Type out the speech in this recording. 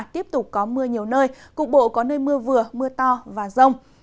tiếp tục có mưa nhiều nơi cục bộ có nơi mưa vừa mưa to và rông